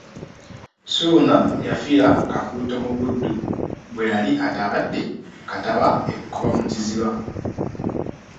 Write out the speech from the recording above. Ssuuna yafiira Kakuuto mu Buddu bwe yali atabadde Kattaba e Bukoba mu Kiziba.